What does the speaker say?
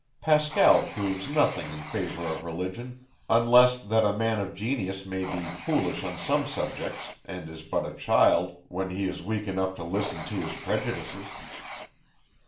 Pascal proves nothing in favour of Religion, unless that a man of genius may be foolish on some subjects, and is but a child, when he is weak enough to listen to his prejudices.